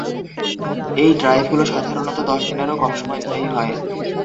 এই ড্রাইভগুলো সাধারণত দশ দিনেরও কম সময় স্থায়ী হয়।